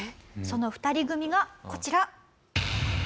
その２人組がこちら。